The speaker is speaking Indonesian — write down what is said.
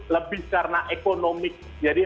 lebih karena ekonomi jadi